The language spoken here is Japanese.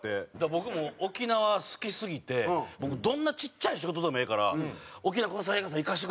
僕も沖縄好きすぎて僕どんなちっちゃい仕事でもええから沖縄国際映画祭行かせてくれって言うて。